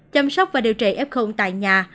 chăm sóc và điều trị f tại nhà